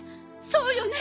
そうよね。